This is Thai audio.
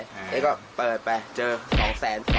แล้วก็เปิดไปเจอ๒๒๐๐